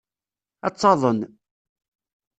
Ad taḍen.